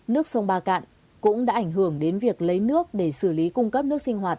nước sông ba cạn cũng đã ảnh hưởng đến việc lấy nước để xử lý cung cấp nước sinh hoạt